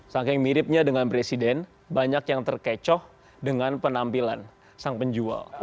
saking miripnya dengan presiden banyak yang terkecoh dengan penampilan sang penjual